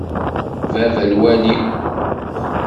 Baba lwali.